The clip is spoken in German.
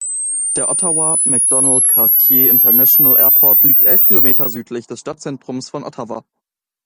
Der Ottawa Macdonald-Cartier International Airport liegt elf Kilometer südlich des Stadtzentrums von Ottawa.